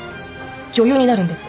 女優になるんです。